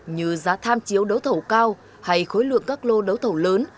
như giá tham chiếu đấu thổ cao hay khối lượng các lô đấu thổ lớn